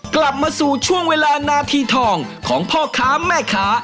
กลับมาสู่ช่วงเวลานาทีทองของพ่อค้าแม่ค้า